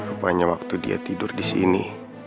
rupanya waktu dia tidur disini